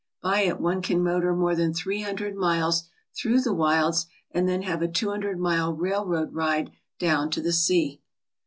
By it one can motor more than three hundred miles through the wilds, and then have a two hundred mile railroad ride down to the sea.